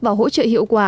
và hỗ trợ hiệu quả